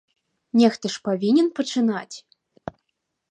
Нехта ж павінен пачынаць.